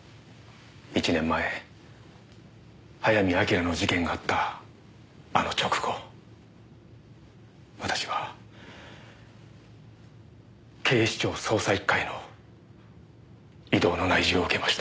１年前早見明の事件があったあの直後私は警視庁捜査一課への異動の内示を受けました。